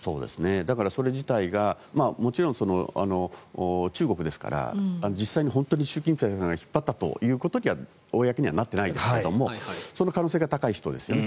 だから、それ自体がもちろん中国ですから実際に本当に習近平さんが引っ張ったということは公にはなってないんですがその可能性が高い人ですよね。